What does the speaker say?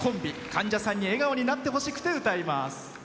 患者さんに笑顔になってほしくて歌います。